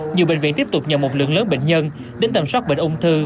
nhiều bệnh viện tiếp tục nhận một lượng lớn bệnh nhân đến tầm soát bệnh ung thư